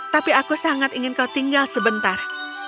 tapi aku sangat ingin kau tinggal sebentar